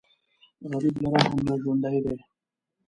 غریب له رحم نه ژوندی دی